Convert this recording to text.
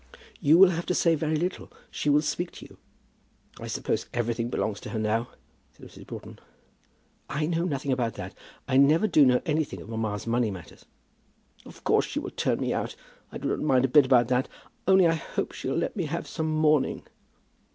"You will have to say very little. She will speak to you." "I suppose everything belongs to her now," said Mrs. Broughton. "I know nothing about that. I never do know anything of mamma's money matters." "Of course she'll turn me out. I do not mind a bit about that, only I hope she'll let me have some mourning."